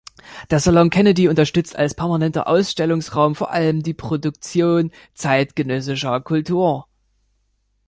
Der Salon Kennedy unterstützt als permanenter Ausstellungsraum vor allem die Produktion zeitgenössischer Kultur.